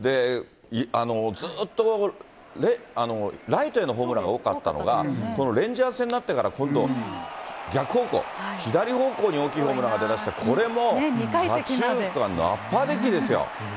ずーっとライトへのホームラン多かったのが、このレンジャーズ戦になってから、今度逆方向、左方向に大きいホームランが出だして、これも左中間のアッパーデッキですよ。